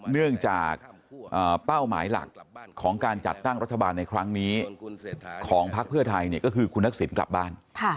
เนื่องจากเป้าหมายหลักของการจัดตั้งรัฐบาลในครั้งนี้ของพักเพื่อไทยก็คือคุณทักษิณกลับบ้าน